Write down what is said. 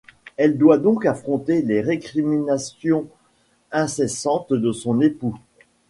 Elle doit donc affronter les récriminations incessantes de son époux.